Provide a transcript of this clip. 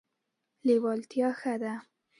لیوالتیا ښه ده.